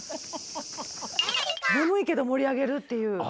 眠いけど盛り上げるっていう。